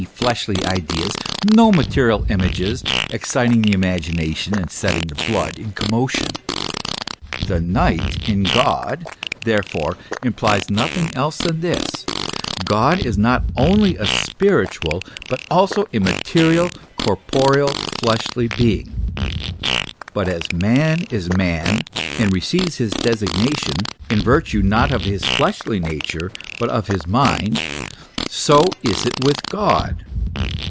fleshly ideas, no material images, exciting the imagination and setting the blood in commotion. The Night in God, therefore, implies nothing else than this : God is not only a spiritual but also a material, corporeal, fleshly being ; but as man is man, and receives his designation, in virtue not of his fleshly nature, but of his mind, so is it with God.